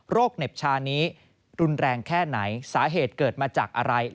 เหน็บชานี้รุนแรงแค่ไหนสาเหตุเกิดมาจากอะไร